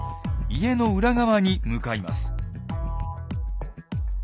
家の裏側に向かいます。